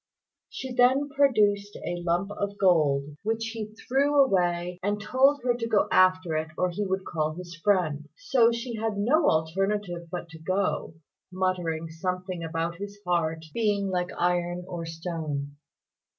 She then produced a lump of gold which he threw away, and told her to go after it or he would call his friend. So she had no alternative but to go, muttering something about his heart being like iron or stone.